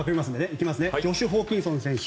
いきますねジョシュ・ホーキンソン選手。